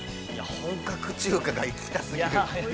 ◆本格中華が行きたすぎる。